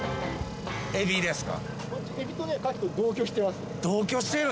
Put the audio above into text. エビですか？